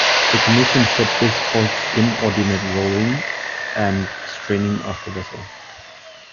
The commission said this caused inordinate rolling and straining of the vessel.